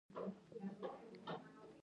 تا پورې څه د خپلې نيا کور يې دی.